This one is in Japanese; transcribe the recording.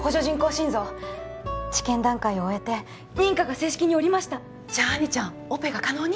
心臓治験段階を終えて認可が正式に下りましたじゃあ杏里ちゃんオペが可能に？